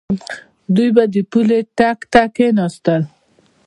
دوی به د پولۍ ټک ته کېناستل.